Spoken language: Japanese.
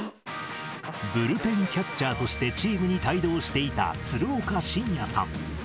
ブルペンキャッチャーとしてチームに帯同していた鶴岡慎也さん。